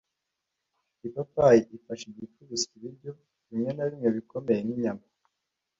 Ipapayi ifasha igifu gusya ibiryo bimwe na bimwe bikomeye nk’inyama